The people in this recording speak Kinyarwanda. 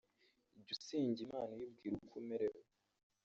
Jya usenga Imana uyibwira uko umerewe